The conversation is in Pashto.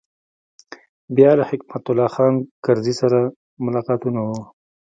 بیا له حکمت الله خان کرزي سره ملاقاتونه و.